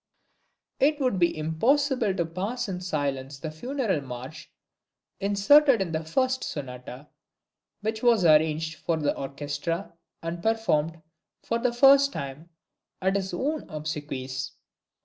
It would be impossible to pass in silence the Funeral March inserted in the first Sonata, which was arranged for the orchestra, and performed, for the first time, at his own obsequies.